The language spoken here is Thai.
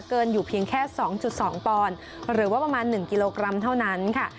อยู่เพียงแค่๒๒ปอนด์หรือว่าประมาณ๑กิโลกรัมเท่านั้นค่ะ